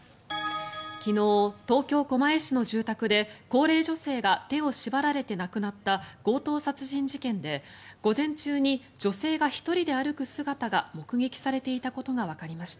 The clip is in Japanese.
昨日、東京・狛江市の住宅で高齢女性が手を縛られて亡くなった強盗殺人事件で午前中に女性が１人で歩く姿が目撃されていたことがわかりました。